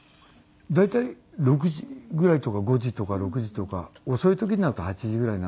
大体６時ぐらいとか５時とか６時とか遅い時になると８時ぐらいになっちゃうんですかね。